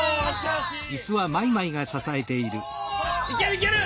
いけるいける！